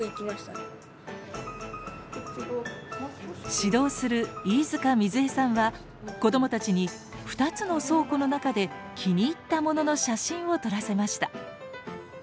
指導する飯塚みづ江さんは子どもたちに２つの倉庫の中で気に入った物の写真を撮らせました。